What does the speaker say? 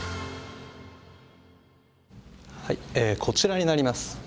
こちらになります。